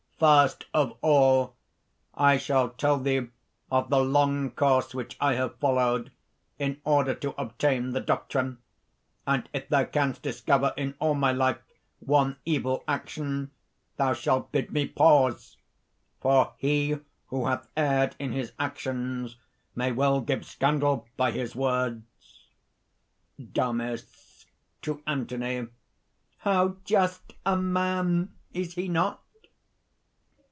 "First of all, I shall tell thee of the long course which I have followed in order to obtain the doctrine; and if thou canst discover in all my life one evil action, thou shalt bid me pause, for he who hath erred in his actions may well give scandal by his words." DAMIS (to Anthony). "How just a man? Is he not?"